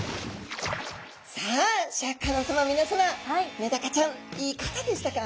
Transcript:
メダカちゃんいかがでしたか？